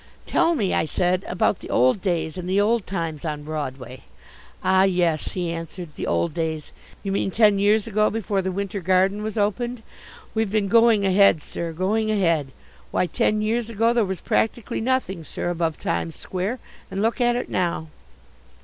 "Tell me," I said, "about the old days and the old times on Broadway." "Ah, yes," he answered, "the old days you mean ten years ago before the Winter Garden was opened. We've been going ahead, sir, going ahead. Why, ten years ago there was practically nothing, sir, above Times Square, and look at it now."